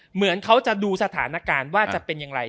เหมือนเขาจะดูสถานการณ์ว่าจะเป็นอย่างไร